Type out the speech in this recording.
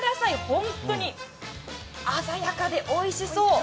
本当に鮮やかでおいしそう。